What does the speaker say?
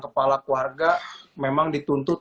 kepala keluarga memang dituntut